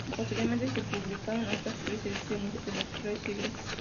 Posteriormente se publicaron otras tres ediciones de "Los tres siglos".